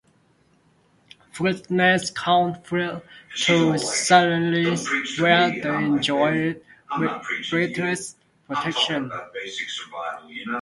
Ferdinand's court fled to Sicily where they enjoyed British protection.